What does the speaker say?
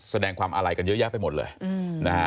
แสดงความอาลัยกันเยอะแยะไปหมดเลยนะฮะ